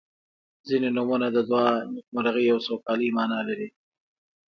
• ځینې نومونه د دعا، نیکمرغۍ او سوکالۍ معنا لري.